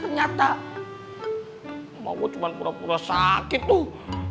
emak gue cuma pura pura sakit tuh